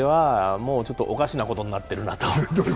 もうちょっと、おかしなことになってるなと。